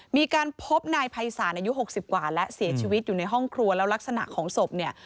มีการพบนายภัยศาลอายุ๖๐กว่าและเสียชีวิตอยู่ในห้องครัวแล้วลักษณะของศพเนี่ย